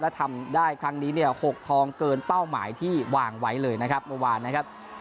และทำได้ครั้งนี้เนี่ย๖ทองเกินเป้าหมายที่วางไว้เลยนะครับเมื่อวานนะครับ